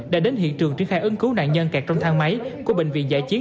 đã đến hiện trường triển khai ứng cứu nạn nhân kẹt trong thang máy của bệnh viện giải chiến